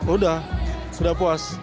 udah udah puas